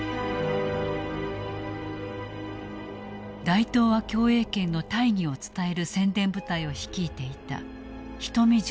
大東亜共栄圏の大義を伝える宣伝部隊を率いていた人見潤介。